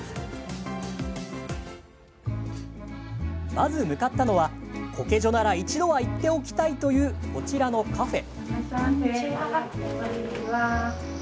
まず向かったのは、こけ女なら一度は行っておきたいというこちらのカフェ。